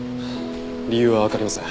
理由はわかりません。